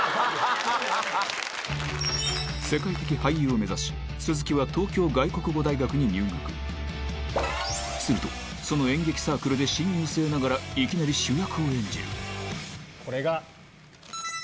世界的俳優を目指し鈴木はするとその演劇サークルで新入生ながらいきなり主役を演じるこれが。